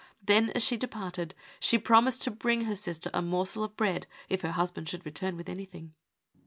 Then, as she departed, she promised to bring her sister a morsel of bread if her husband should return with anything.